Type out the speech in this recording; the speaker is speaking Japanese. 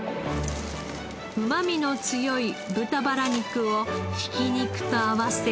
うまみの強い豚バラ肉をひき肉と合わせ。